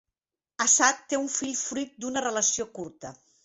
Assad té un fill fruit d'una relació curta.